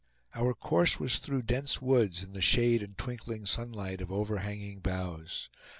Our course was through dense woods, in the shade and twinkling sunlight of overhanging boughs.